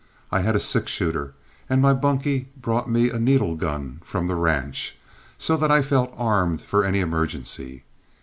I had a six shooter, and my bunkie brought me a needle gun from the ranch, so that I felt armed for any emergency.